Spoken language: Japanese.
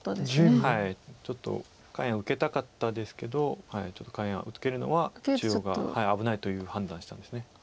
ちょっと下辺受けたかったですけどちょっと下辺は受けるのは中央が危ないという判断をしたんです。